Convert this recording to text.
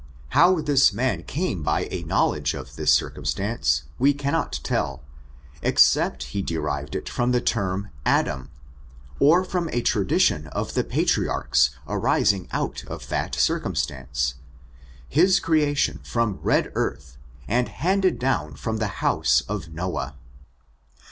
How this man came by a knowledge of this circumstance, we cannot tell, except he derived it from the term Adam, or from a tradition of the pa triarchs arising out of that circumstance, his creation from red earth, and handed down from the house of Noah.